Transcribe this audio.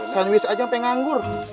sandwich aja sampe nganggur